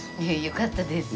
よかったです。